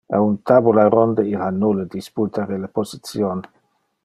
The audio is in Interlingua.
A un tabula ronde il ha nulle disputa re le position.